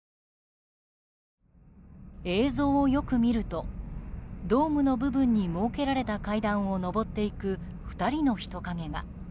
映像をよく見るとドームの部分に設けられた階段を上っていく２人の人影が。